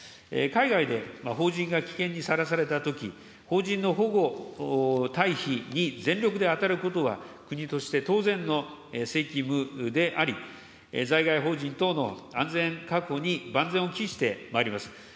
海外で邦人が危険にさらされたとき、邦人の保護、退避に全力であたることは国として当然の責務であり、在外邦人等の安全確保に万全を期してまいります。